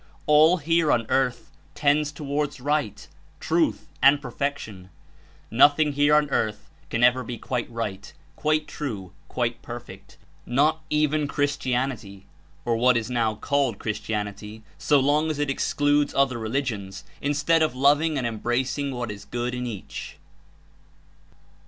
All here on earth tends towards right, truth and perfection; nothing here on earth can ever be quite right, quite true, quite perfect — not even Christianity — or what is now called Christianity, so long as it excludes other religions, instead of loving and embracing what is good in each."